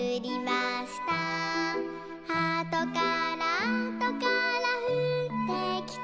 「あとからあとからふってきて」